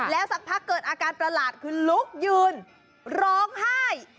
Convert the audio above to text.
แล้วสักพักเกิดอาการประหลาดคือลุกยืนร้องไห้